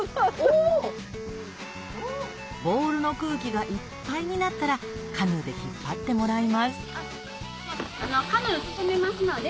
ボールの空気がいっぱいになったらカヌーで引っ張ってもらいますカヌー進めますので。